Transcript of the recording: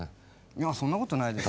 いやそんなことないですよ。